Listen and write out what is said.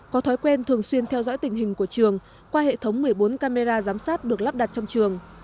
có thói quen thường xuyên theo dõi tình hình của trường qua hệ thống một mươi bốn camera giám sát được lắp đặt trong trường